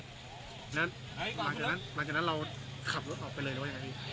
หมายจากนั้นเราขับรถออกไปเลยหรือว่าอย่างไรพี่